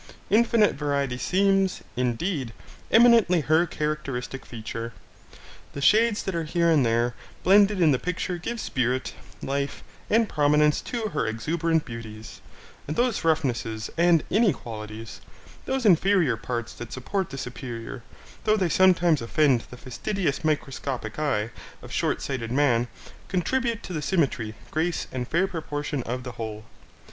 Infinite variety seems, indeed, eminently her characteristic feature. The shades that are here and there blended in the picture give spirit, life, and prominence to her exuberant beauties, and those roughnesses and inequalities, those inferior parts that support the superior, though they sometimes offend the fastidious microscopic eye of short sighted man, contribute to the symmetry, grace, and fair proportion of the whole.